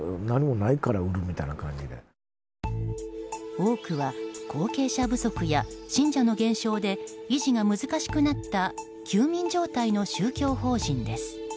多くは後継者不足や信者の減少で維持が難しくなった休眠状態の宗教法人です。